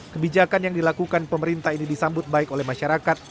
kebijakan yang dilakukan pemerintah ini disambut baik oleh masyarakat